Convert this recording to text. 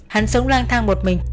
hắn sống lang thang một mình